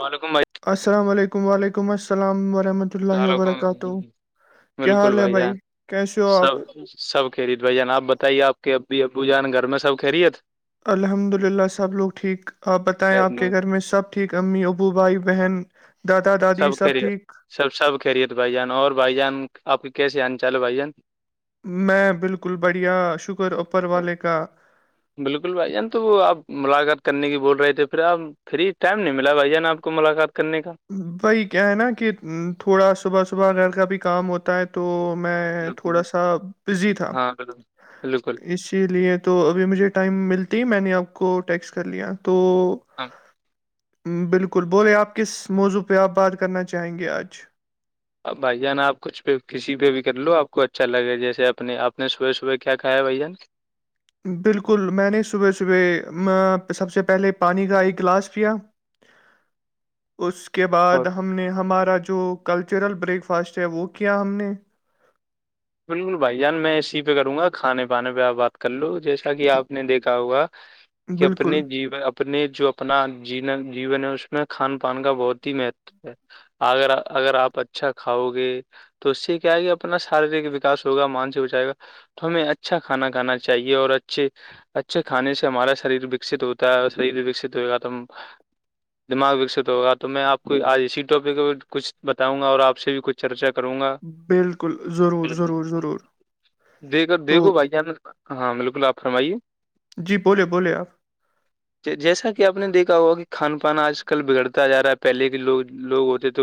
وعلیکم بھائی السلام علیکم و علیکم السلام ورحمۃ بت اللہ السلام علیکم وبرکاتہ کیا بالکل حال ہے جان بھائی کیسے ہو آپ سب سب کہ رہی بھائی جان آپ بتائیے آپ کے اب بھی ابو جان گھر میں سب کہ رہی ہےت الحمد للہ سب لوگ ٹھیک آپ بتائیں آپ کے گھر میں سب ٹھیک امی ابو بھائی بہن دادا سب دادی کہہ رہیےت ٹھیک سب سب کہہ رہیےت بھائی جان اور بھائی جان آپ کے کیسے آنا چالو بھائی جان میں بالکل بڑھیا شوگر اوپر والے کا بالکل بھائی یان تو وہ آپ ملاقات کرنے کی بول رہے تھے پھر آپ فری ٹائم نہیں ملا بھائی جان آپ کو ملاقات کرنے کا بھائی کیا ہے نا کہ تھوڑا صبح صبح گھر کا بھی کام ہوتا ہے تو میں بالکل تھوڑا سا بزی تھا ہاں بالکل بالکل اسی لیے تو ابھی مجھے ٹائم ملتی میں نے آپ کو ٹیکس کر لیا تو ہاں۔ بالکل بولے آپ کس موضوع پہ آپ بات کرنا چاہیں گے آج اب بھائی جان آپ کچھ پہ کسی پہ بھی کر لو آپ کو اچھا لگے جیسے اپنے آپ نے صبح صبح کیا کھا ہے بھائی جان بالکل میں نے صبح صبح سب سے پہلے پانی کا ایک گلاس پیا [inaudible] اس کے اور بعد ہم نے ہمارا جو کلچرل بریک فاسٹ ہے وہ کیا ہم نے بالکل بھائی جان میں اسی پہ کروں گا کھانے پانے پہ آپ بات کر لو جیسا کہ آپ نے دیکھا ہوگا کہ اپنے بالکل جی اپنے جو اپنا ج جیون ہے اس میں کھان پان کا بہت ہی مہتو ہے اگر اگر آپ اچھا کھاؤ گے تو اس سے کیا یہ اپنا شاریرک وکاس ہوگا مانسک اچائےا تو ہمیں اچھا کھانا کھانا چاہیے اور اچھے اچھے کھانے سے ہمارا شریر وکست ہوتا ہے اور شریر بھی وکست ہوئے گا توم دماغ وکست ہوگا تو میں آپ کو آج اسی ٹاپک میں کچھ بتاؤں گا اور آپ سے بھی کچھ چرچا کروں گا بالکل ضرور ضرور ضرور دے کر تو دیکھو بھائی جان ہاں بالکل آپ فرمائیے جی بولے بولے آپ [inaudible] جیسا کہ آپ نے دیکا ہوا کہ کھان پان آج کل بگڑتا جا رہا ہے پہلے کے لوگ لوگ ہوتے تھ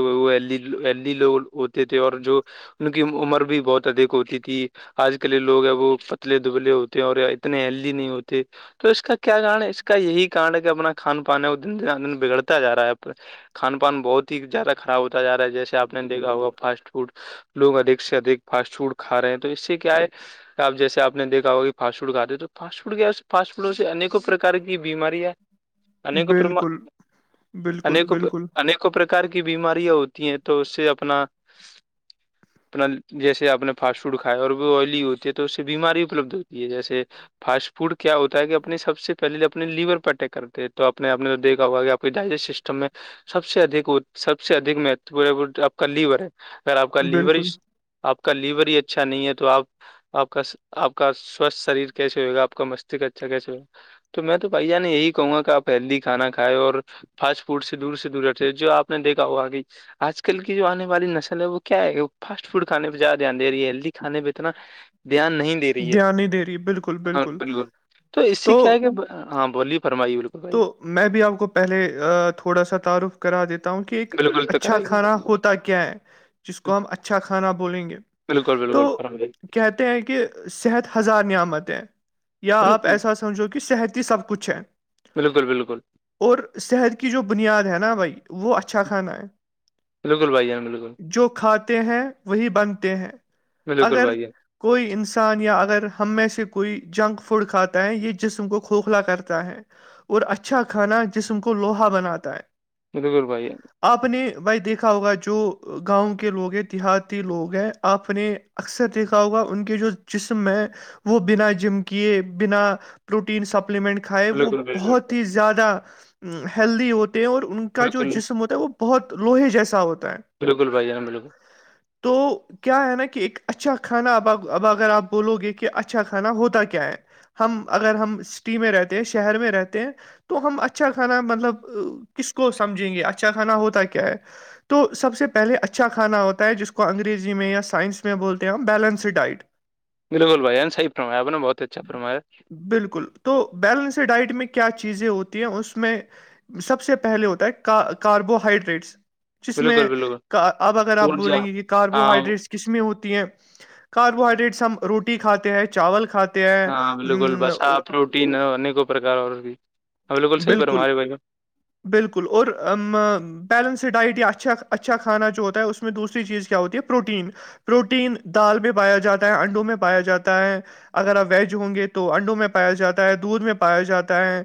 ہوتے تھے اور جو ان کی عمر بھی بہت ادھک ہوتی تھی آج کل لوگ ہیں وہ پتلے دبلے ہوتے ہیں اور اتنے ہیلدی نہیں ہوتے تو اس کا کیا کارن ہے اس کا یہی کارن ہے کہ اپنا کھان پان کو د دن بگڑتا جا رہا ہے کھان پان بہت ہی زیادہ خراب ہوتا جا رہا ہے جیسے آپ نے دیکا ہوا فاسٹ فوڈ لوگ ادک سے ادھک فاسٹ فوڈ کھا رہے ہیں تو اس سے کیا ہے آپ جیسے آپ دیکھا ہوا کہ فاسٹ فوڈ کھا د تو فاسٹ فوڈ کیا فاسٹ فوڈ سے ایکوں پرکار کی بیمارییاں پرم بالکل بالکل بالکل پرکار کی بیماریاں ہوتی ہیں تو اس سے اپنا اپنا جیسے آپ نے فاسٹ فوڈ کھاائے اور بھی آئلی ہوتی ہے تو اس سے بیماری اپلبد ہوتی ہے جیسے فاسٹ فوڈ کیا ہوتا ہے کہ اپنے سب سے پہلے اپنے لیور پہ اٹیک کرتے ہیں تو اپنے آپ نے تو دیکھا ہوا کہ ڈائجسٹ سسٹم میں سب سے ا سب سے ادک مہت آپ کا لیور ہے اگر آپ کا لیور ہی بالکل آپ کا لیور ہی اچھا نہیں ہے تو آپ آپ کا آپ کا سوستھ شریر کیسے ہوئے گا آپ کا مستک اچھا کیسے ہو گا تو میں تو بھائییا نے یہی کہوں گا کہ آپ ہیلدی کھانا کھائے اور فاسٹ فوٹ سے دور سے دور رہتے جو آپ نے دیکھا ہوا کہ آج کل کی جو آنے والی نسل ہے وہ کیا ہے فاسٹ فوڈ کھانے پہا دان رہی ہے ہیلدی کھے پہ اتنا دھیان نہیں دے رہی ہے دھیان نہیں دے رہی بالکل ہاں بالکل تو اس سے کیا ہے کہ ہاں بولیے فرمائیے بالکل بھائی تو میں بھی آپ کو پہلے تھوڑا سا تعارف کرا دیتا ہوں کہ ایک بالکل تو اچھا کرائیے کھانا ہوتا کیا ہے جس کو ہم اچھا کھانا بولیں گے بالکل تو بالکل فرمائیے کہتے ہیں کہ صحت ہزار نعمت ہیں یا آپ بالکل ایسا سمجھو کہ صحت ہی سب کچھ ہے بالکل بالکل اور صحت کی جو بنیاد ہے نا بھائی وہ اچھا کھانا ہے بالکل بھائی جان بالکل جو کھاتے ہیں وہی بنتے ہیں بالکل اگر بھائی جان کوئی انسان یا اگر ہم میں سے کوئی جنک فوڈ کھاتا ہے یہ جسم کو کھوکھلا کرتا ہے اور اچھا کھانا جسم کو لوہا بناتا ہے ملکور بھائی آپ نے بھائی دیکھا ہوگا جو گاؤں کے لوگ ہیں دیہاتی لوگ ہیں آپ نے اکثر دیکھا ہوگا ان کے جو جسم ہے وہ بنا جم کیے بنا پروٹین سپلیمنٹ کھائے وہ بالکل بالکل بہت ہی زیادہ ہیلدی ہوتے ہیں اور ان کا جو بالکل جسم ہوتا ہے وہ بہت لوہے جیسا ہوتا ہے بالکل بھائی بالکل عتو کیا ہے نا کہ ایک اچھا کھانا اب اب اگر آپ بولو گے کہ اچھا کھانا ہوتا کیا ہے ہم اگر ہم سٹی میں رہتے ہیں شہر میں رہتے ہیں تو ہم اچھا کھانا مطلب کس کو سمجھیں گے اچھا کھانا ہوتا کیا ہے تو سب سے پہلے اچھا کھانا ہوتا ہے جس کو انگریزی میں یا سائنس میں بولتے ہیں ہم بیلنسڈ ڈائٹ بالکل بھائی سحی فرمایابا بہت اچھا فمایا بالکل تو بیلنس ڈائٹ میں کیا کیا چیزیں ہوتی ہیں اس میں سب سے پہلے ہوتا ہے کاربو ہائڈریٹس جس میں بالکل بالکل اب اگر آپ ارجا بولیں گے کہ ہاں کاربوہائیڈریٹس قسمیں ہوتی ہیں کاربوہائیڈریٹس ہم روٹی کھاتے ہیں چاول کھاتے ہیں ہاں بالکل بسا ام، پروٹین انیکوں پرکار اور بالکل صحی پر ہمارے بائی بالکل اور بیلنس ڈائٹ یا اچھا اچھا کھانا جو ہوتا ہے اس میں دوسری چیز کیا ہوتی ہے پروٹین پروٹین دال میں پایا جاتا ہے انڈوں میں پایا جاتا ہے اگر آپ ویج ہوں گے تو انڈوں میں پایا جاتا ہے دودھ میں پایا جاتا ہے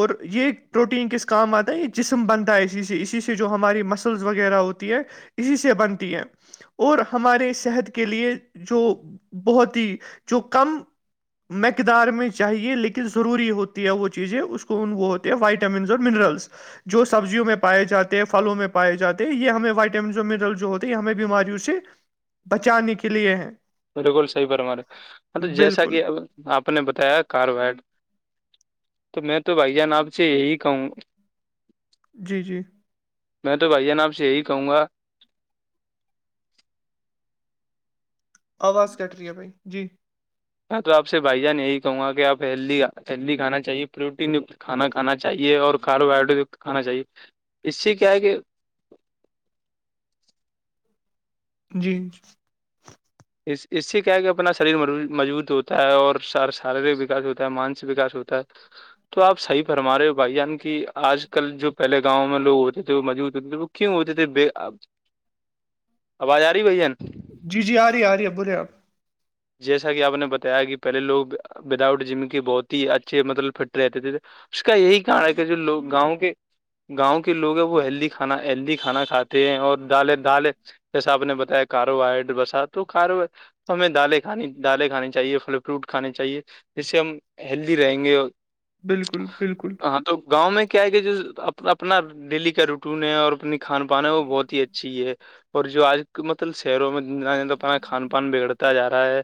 اور یہ پروٹین کس کام آتا ہے یہ جسم بنتا ہے اسی سے اسی سے جو ہماری وغیرہ ہوتی ہے اسی سے بنتی ہے اور ہمارے صحت کے لیے جو بہت ہی جو کم مقدار میں چاہیے لیکن ضروری ہوتی ہے وہ چیزیں اس کو وہ ہوتے ہیں وائٹامنس اور منرلس جو سبزیوں میں پائے جاتے ہیں پھلوں میں پائےاتے ہیں یہ ہمیں وائٹام منرل جو ہو ہمیں بیماریوں سے بچانے کے لیے ہے بالکل صحی پر ہمارے مطب جیسا کہ اب آپ نے بتایا کار وڈ تو میں تو بھائی جان آپ سے یہی کہوں گا جی جی میں تو بھائی جان آپ یہی کہوں گا آواز کٹ رہی ہے بھائی جی ہاں تو آپ سے بھائی جان یہی کہوں گا کہ آپ ہید ہیلدی کھا چاہیے پروٹین کھانا کھانا چاہیے اور کاربوہائڈریٹ کھانا چاہیے اس سے کیا ہے کہ جی اس اس سے کیا کے اپنا شریر مضبوط ہوتا ہے اور شارییرک وکاس ہوتا ہے مانسک وکاس ہوتا ہے تو آپ صحی فرم رہے ہو بھائی یعنی آج کل جو پہے گاؤں میں لوگ ہوتے تھے وہ مجوود ہوتے تھے وہ کیوں ہوتے تھےب اواز آ رہی بھ جن جی جی آ رہی ہے آ رہی ہے بولے آپ جیسا کہ آپ نے بتایا کہ پہلے لوگ وداؤٹ جم کے بہت ہی اچھے مطلب فٹ رہتے تھے اس کا یہی کار ہے کہ جو لوگ گاؤں کے گاؤں کے لوگ ہیں وہ ہیلدی کھانا ہیلدی کھانا کھاتے ہیں اور دالیں دالیں جیسا آپ نے بتایا کاربو ہائڈری بسا تو کارو ہمیں ڈالے کھ دالیں کھانانی چاہیے پھل فروٹ کھانے چاہیے جس سے ہم ہیلدی رہیں گے اور بالکل بالکل تو گاؤں میں کیا ہے کہ جو اپنا ڈیلی کا روٹین ہے اور اپنی کھان پان ہے وہ بہت ہی اچھی ہے اور جو آج مطلب شہروں میں ن اپا کھان پان بگڑتا جا رہا ہے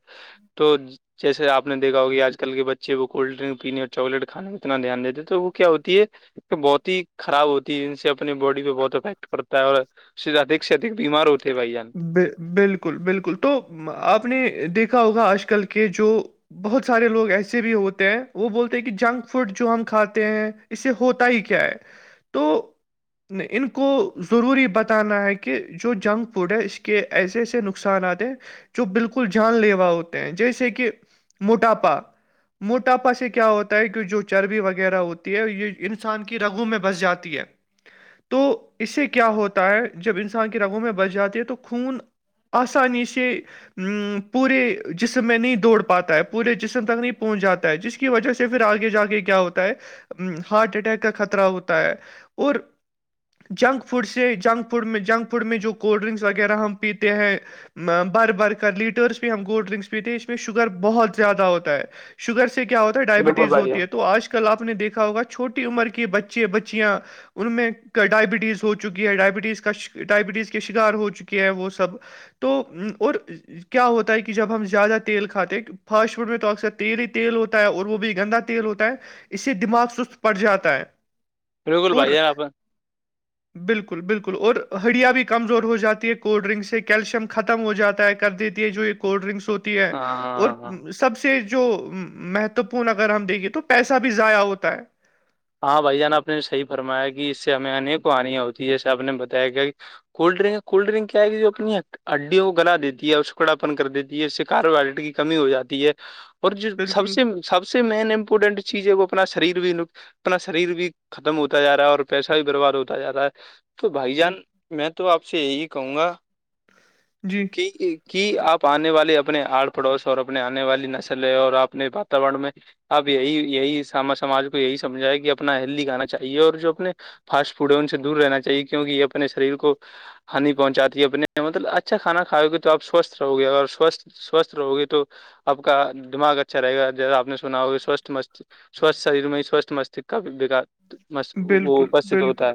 تو جیسے آ نے دیکھا ہوگ کہ آج کل کے بچے وہ کولڈ ڈرنک پینے اور چاکلیٹ کھانے میں اتنا دھیان دیتے ہیں تو وہ کیا ہوتی ہے بہت ہی خراب ہوتی ہے جن سے اپنی باڈی پہ بہت افیکٹ پڑتا ہے اور ادک سے ادک بیمار ہوتے ہیں بھائی جان ب بالکل بالکل تو آپ نے دیکھا ہوگا آج کل کے جو بہت سارے لوگ ایسے بھی ہوتے ہیں وہ بولتے ہیں کہ جنک فوڈ جو ہم کھاتے ہیں اس سے ہوتا ہی کیا ہے تو ان کو ضروری بتانا ہے کہ جو جنک فوڈ ہے اس کے ایسے ایسے نقصانات ہیں جو بالکل جان لیوا ہوتے ہیں جیسے کہ موٹاپا موٹاپا سے کیا ہوتا ہے کی جو چربی وغیرہ ہوتی ہے یہ انسان کی رگو میں بس جاتی ہے تو اس سے کیا ہوتا ہے جب انسان کے رنگوں میں بہ ب جاتے ہیں تو خون آسانی سے پورے جسم میں نہیں دوڑ پاتا ہے پورے جسم تک نہیں پہنچ جاتا ہے جس کی وجہ سے پھر آگے جا کے کیا ہوتا ہے ہارٹ اٹیک کا خطرہ ہوتا ہے اور جنک فوڈ سے جنک فوڈ جنک فوڈ میں جو کولڈ ڈرنکس وغیرہ ہم پیتے ہیں بر بر کر لیٹرس پہ ہم کولڈ ڈرنکس پیتے ہیں اس میں شوگر بہت زیادہ ہوتا ہے شوگر سے کیا ہوتا ہے بالکل ڈائبٹیز بھائی ہوتی جان ہے تو آج ک کل آپ نے دیکھا ہوگاھوٹی عمر کے بچے بچیاں ان میں ڈائبٹیز ہو چکی ہے ڈائبٹیز کا ڈائبٹیز کے شکار ہو چکی ہے وہ سب تو اور کیا ہوتا ہے کہ جب ہم زیادہ تیل کھاتے ہیں فاسٹ فوڈ میں تو اکثر تیر ہی تیل ہوتا ہے اور وہ بھی گندا تیل ہوتا ہے اس سے دماغ سست پڑ جاتا ہے بالکل اور بھائی یار آپ ہاں بالکل بالکل اور ہڑیا بھی کمزور ہو جاتی ہے کولڈ ڈرنک سے کیلشیم ختم ہو جاتا ہے کر دیتی ہے جو ایک کولڈ ڈرنکس ہوتی ہے اور ہاں ہاں اس سب سے جو مہتوپورن اگر ہم دیکھے تو پیسہ بھی ضائع ہوتا ہے ہاں بھائی جان آپ نے صحی فرمایا کہ اس سے ہمیں انیک کو آانیاں ہوتی جیسے آپ نے بتایا کیا کولڈ ڈرنک کولڈ ڈرنک کیا آئے گی وہ اپنی ہے ہڈیوں کو گلا دیتی ہے اور شکڑاپن کر دیتی ہے اس سے کاربو ہڈریٹ کی کمی ہو جاتی ہے اور جو سب بالکل، سے سب سے مین امپورٹینٹ چیز ہے وہ اپنا شریر بھی اپنا شریر بھی ختم ہوتا جا رہا ہے اور پیسہ بھی برباد ہوتا جا رہا ہے تو بھائی جان میں تو آپ سے یہی کہوں گا جی کہ کی آپ آنے والے اپنے آڑ پڑوس اور اپنے آنے والی نسلیں اور آپنے واتورن میں آپ یہی یہیا سماج کو یہی سمجھاائے کہ اپنا ہیلدی گانا چاہیے اور جو اپنے فاسٹ فوڈ ہے ان سے دور رہنا چاہیے کیونک یہ اپنے شریر کو ہنیانی پہنچاتی ہے اپنے مطلب اچھا کھانا کھاؤ گے تو آپ سوستھ رہو گے اور سوستھ سوستھ رہو گی تو آپ کا دماغ اچھا رہے گا جیسا آپ نے سنا ہوگا سوستھ مست سوستھ شریر میں سوستھ مستک کاار وہ بالکل، اپستت ہوتا بالکل، ہے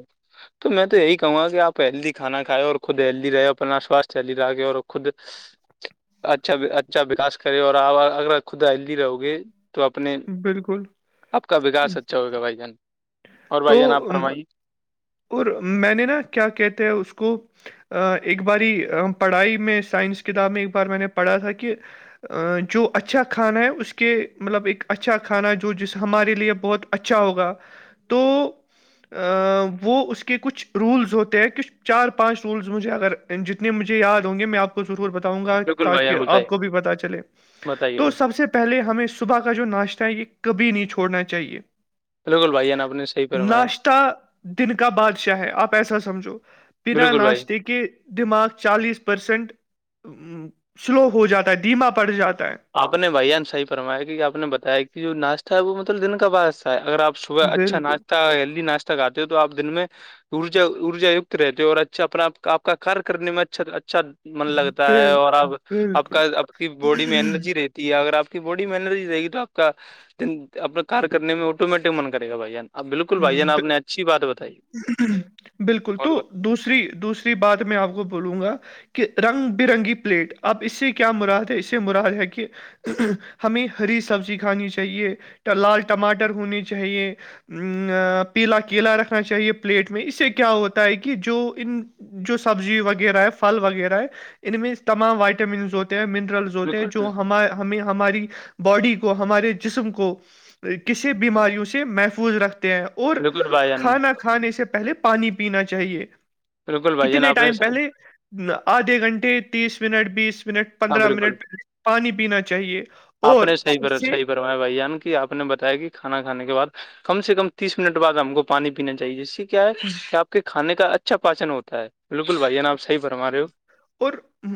تو میں تو یہی کہوں گا کہ آپ ہیلدی کھانا کھایں اور خود ہیلدی رہ ہو اور اپنا سواستھ ہیلدی رہے اور خود اچھا اچھا وکاس کرے اور آپ اگر خدالی رہو گے تو اپنے بالکل، آپ کا وکاس اچھا ہوگا بھائی جان اور بھائی جان آپ تو فرمائیے اور میں نے نا کیا کہتے ہیں اس کو ایک باری پڑھائی میں سائنس کتاب میں ایک بار میں نے پڑھا تھا کہ جو اچھا کھانا ہے اس کے مطلب ایک اچھا کھانا جو جس ہمارے لیے بہت اچھا ہوگا تو وہ اس کے کچھ رولز ہوتے ہیں کچھ چار پانچ رولز مجھے اگر جتنے مجھے یاد ہوں گے میں آپ ضرور بتاؤں گا بالکل بھائی تاکہ جان آپ بتائیے کو بھی پتا چلے بتائیے تو سب سے پہلے ہمیں صبح کا جو ناشتہ ہے یہ کبھی نہیں چھوڑنا چاہیے بالکل بھائی جان آپ نے صحیح فرمایا ناشتہ دن کا بادشاہ ہے آپ ایسا سمجھو بنا بالکل بھائی ناشتے کے دماغ چالیس پرسینٹ سلو ہو جاتا ہے دمہ پڑ جاتا ہے آپ نے بھائی جان صحیح فرمایا کیونکہ آپ نے بتایا ہے کہ جو ناشتہ ہے وہ مطلب دن کا بادشاہ ہے اگر آپ صبح اچھا بالکل ناشت ہیلدی ناشتہ کاتے ہو تو آپ دن میں ارجا ارجا کت رہتے اور اچھا اپنا آپ کا کار کرنے میں اچھا اچھا من لگتا ہے بل اور اب آپ کا بالکل آپ کی باڈی میں رہتی ہے اگر آپ کی باڈی میں اینرجی رہے گی تو آپ کا اپنا کار کرنے میں آٹومیٹک من کرے گا بھائی جان آپ بالکل بھائی جان آپ نے اچھی بات بتائی بالکل تو دوسری دوسری بات میں آپ کو بولوں گا کہ رنگ برنگی پلیٹ اب اس سے کیا مراد ہے اس سے مراد ہے کہ ہمیں ہری سبزی کھانی چاہیے لال ٹماٹر ہونے چاہیے پیلا کیلا رکھنا چاہیے پلیٹ میں اس سے کیا ہوتا ہے کہ جو ان جو سبزی وغیرہ ہے پھل وغیرہ ہے ان میں تمام وائٹامنس ہوتے ہیں منرلس ہوتے ہیں بالکل جو ہمار ہمیں ہماری باڈی کو ہمارے جسم کو کسی بیماریوں سے محفظ محفوظ رکھتے ہیں اور بالکل بھائی جان کھانا کھانے سے پہلے پانی پینا چاہیے بالکل بھائی جان کتنے آپ نے ٹائم صحیح، پہلے آدھے گھنٹے تیس منٹ بیس منٹ ہاں پندرہ بالکل منٹ پہلے پانی پینا چاہیے آپ اور نے صحیح سب پر سے صحیح بھائی جان کہ آپ نے بتایا کہ کھانا کھانے کے بعد کم سے کم تیس منٹ بعد آپ کو پانی پینا چاہیے جیس کیا ہے کہ آپ کے کھانے کا اچھا پاچن ہوتا ہے بالکل بھائی جان آپ صحیح فرما رہے ہو اور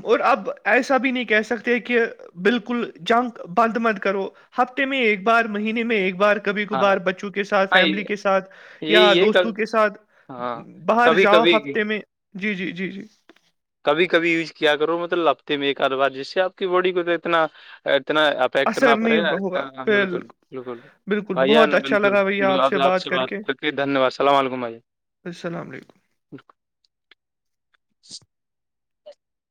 اور اب ایسا بھی نہیں کہہ سکتے کہ بالکل جنک بند مت کرو ہفتے میں ایک بار مہینے میں ایک بار کبھی ہاں کبھار بچوں کے ساتھ ہاں فیملی کے ساتھ یا یہی ہے دوستوں کے ساتھ ہاں باہر کبھی جاؤ کبھی ہفتے میں جی جی جی جی کبھی کبھی یوز کیا کرو مطلب ہفتے میں ایک آد بار جس سے آپ کی باڈی کو تو اتنا اتنا افیکٹ نہ اثر نہیں پڑے ہوگا بالکل بالکل بھائیان بالکل بالکل آپ آپ سے بات کر کے دھنیہ واد السلام علیکم بھائییا السلام علیکم [inaudible]